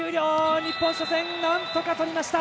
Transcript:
日本、初戦をなんとかとりました。